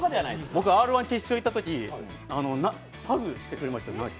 僕、Ｒ−１決勝に行ったとき、ハグしてくれました。